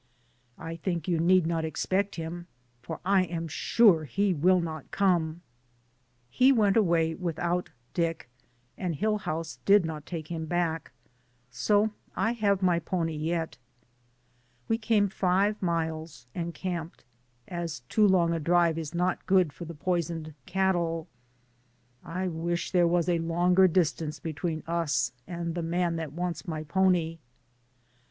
"I think you need not expect him, for I am sure he will not come." DAYS ON THE ROAD. 249 He went away without Dick, and Hill house did not take him back, so I have my pony yet. We came five miles and camped, as too long a drive is not good for the pois oned cattle. I wish there was a longer dis tance between us and the man that wants my pony. Mr.